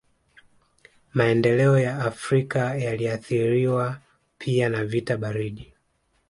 Maendeleo ya Afrika yaliathiriwa pia na vita baridi